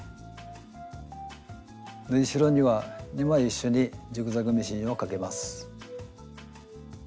縫いしろには２枚一緒にジグザグミシンをかけます。